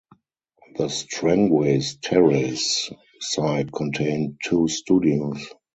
The Strangways Terrace site contained two studios.